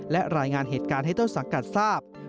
และรายงานเหตุการณ์ให้ต้นสังกัดทราบ